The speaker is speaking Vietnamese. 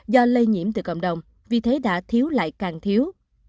do lây nhiễm từ cộng đồng vì thế đã thiếu lại càng thiếu